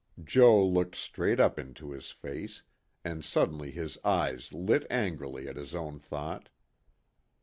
Joe looked straight up into his face, and suddenly his eyes lit angrily at his own thought.